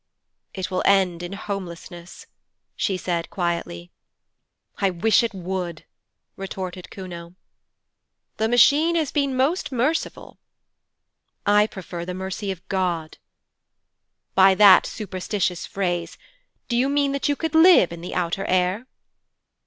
'It will end in Homelessness,' she said quietly. 'I wish it would,' retorted Kuno. 'The Machine has been most merciful.' 'I prefer the mercy of God.' 'By that superstitious phrase, do you mean that you could live in the outer air?'